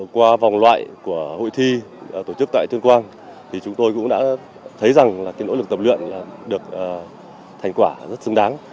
qua vòng loại của hội thi tổ chức tại thương quang chúng tôi cũng đã thấy rằng nỗ lực tập luyện được thành quả rất xứng đáng